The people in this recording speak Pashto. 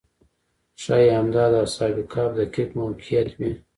ښایي همدا د اصحاب کهف دقیق موقعیت وي.